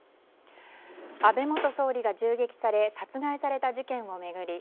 安倍元総理が銃撃され殺害された事件を巡り